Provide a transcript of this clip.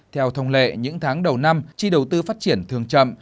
theo thông lệ những tháng đầu năm chi đầu tư phát triển thường chậm